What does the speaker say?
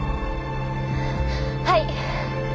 はい。